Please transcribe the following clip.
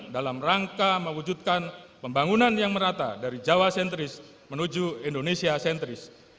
dalam rangka mewujudkan pembangunan yang merata dari jawa sentris menuju indonesia sentris